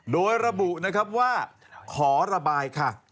โดยระบุนะครับว่าขอระบายค่ะ